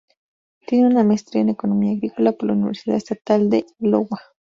Tiene una maestría en Economía Agrícola por la Universidad Estatal de Iowa.